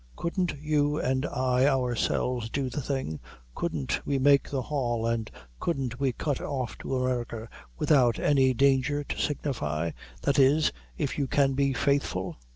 Couldn't you an' I ourselves do the thing couldn't we make the haul, and couldn't we cut off to America without any danger to signify, that is, if you can be faithful?"